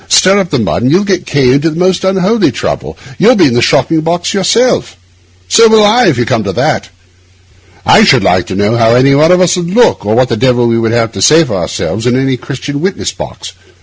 Stir up the mud, and you'll get K— into the most unholy trouble; you'll be in a shocking box yourself. So will I, if you come to that. I should like to know how any one of us would look, or what the devil we should have to say for ourselves, in any Christian witness box.